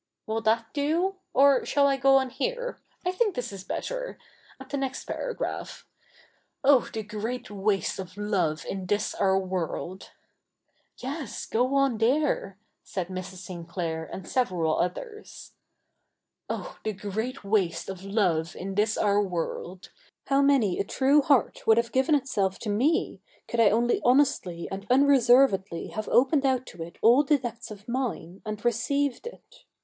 '''' Will that do? Or shall I go on here — I think this is better — at the next paragraph ?—'' Oh the great waste of love in this our world:'' ' Yes, go on there,' said Mrs. Sinclair and several others, '" Oh the great 7vaste of love in this our world I How many a true heart would have given itself to me, could I only honestly and unreservedly have opened out to it all the depths of mine, and received it